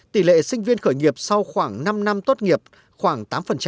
tỷ lệ sinh viên khởi nghiệp sau khoảng năm năm tốt nghiệp khoảng tám